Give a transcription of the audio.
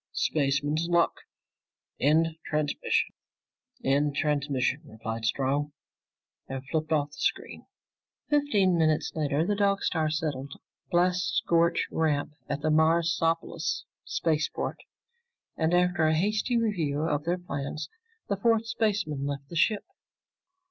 "Spaceman's luck! End transmission." "End transmission," replied Strong and flipped off the screen. Fifteen minutes later, the Dog Star settled on a blast scorched ramp at the Marsopolis spaceport, and after a hasty review of their plans, the four spacemen left the ship.